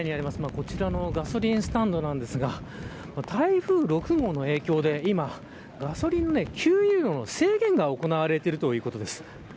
こちらのガソリンスタンドですが台風６号の影響で今ガソリンの給油量の制限が行われているということです。